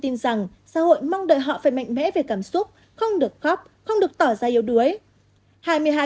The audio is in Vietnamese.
năm mươi tám tin rằng xã hội mong đợi họ phải mạnh mẽ về cảm xúc không được khóc không được tỏ ra yếu đuối